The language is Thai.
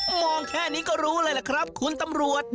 มองแค่นี้ก็รู้เลยล่ะครับคุณตำรวจ